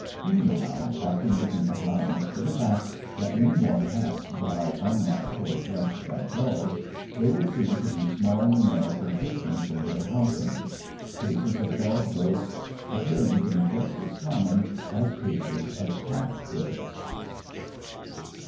Anyhow, after making allowance for the fact that many more cats die unnatural deaths than dogs, there would seem to be small numerical difference in their hauntings cases of dog ghosts appearing to be just as common as cases of cat ghosts.